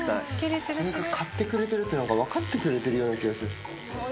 刈ってくれてるっていうのが分かってくれてるような気がする。